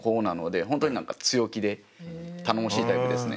本当に何か強気で頼もしいタイプですね。